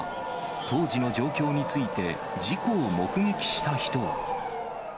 当時の状況について、事故を目撃した人は。